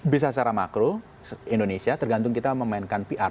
bisa secara makro indonesia tergantung kita memainkan pr